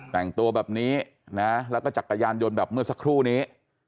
แต่งตัวแบบนี้นะแล้วก็จักรยานยนต์แบบเมื่อสักครู่นี้